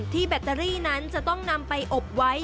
แบตเตอรี่นั้นจะต้องนำไปอบไว้